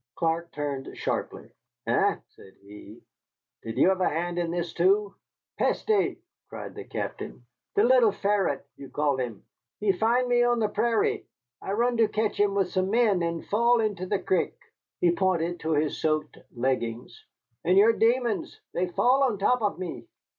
Clark turned sharply. "Eh?" said he, "did you have a hand in this, too?" "Peste!" cried the Captain, "the little ferret you call him he find me on the prairie. I run to catch him with some men and fall into the crick " he pointed to his soaked leggings, "and your demons, they fall on top of me."